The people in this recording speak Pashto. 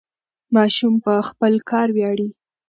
ماشوم په خپل کار ویاړي.